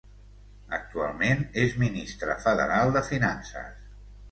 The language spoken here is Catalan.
Actualment, és ministre federal de Finances.